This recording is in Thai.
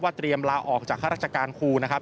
เตรียมลาออกจากข้าราชการครูนะครับ